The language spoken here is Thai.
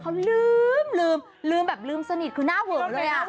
เขาลืมแบบลืมสนิทคือน่าเหวิดเลย